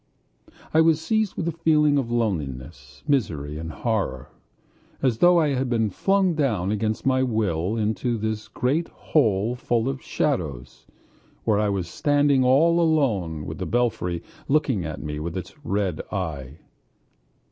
I was seized with a feeling of loneliness, misery, and horror, as though I had been flung down against my will into this great hole full of shadows, where I was standing all alone with the belfry looking at me with its red eye.